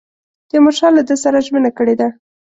تیمورشاه له ده سره ژمنه کړې ده.